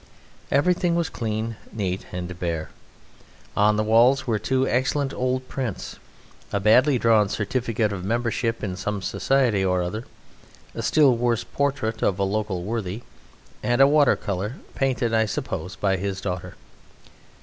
Everything was clean, neat, and bare. On the walls were two excellent old prints, a badly drawn certificate of membership in some society or other, a still worse portrait of a local worthy, and a water colour painted, I suppose, by his daughter.